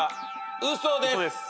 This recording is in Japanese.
ウソです。